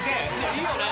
いいよね？